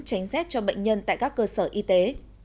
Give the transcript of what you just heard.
tránh rét cho bệnh nhân tại các cơ sở y tế